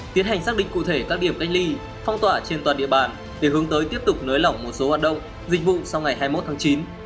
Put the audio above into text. tiến hành xác định cụ thể các điểm cách ly phong tỏa trên toàn địa bàn để hướng tới tiếp tục nới lỏng một số hoạt động dịch vụ sau ngày hai mươi một tháng chín